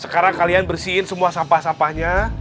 sekarang kalian bersihin semua sampah sampahnya